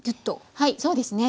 はいそうですね。